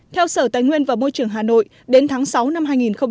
theo sở tài nguyên và môi trường hà nội đến tháng sáu năm hai nghìn hai mươi